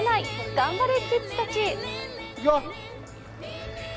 頑張れキッズたち！